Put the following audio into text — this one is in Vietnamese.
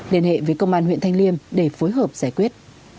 liên hệ với công an huyện thanh liêm để phối hợp giải quyết